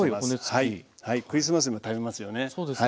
クリスマスにも食べますよね。